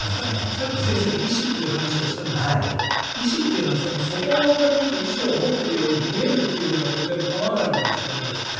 さっき先生が意思という話をしたんですが意思は外側から見て意思を持っているように見えるということでも構わないのかもしれないですよね